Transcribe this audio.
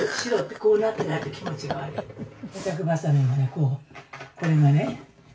「こうこれがね」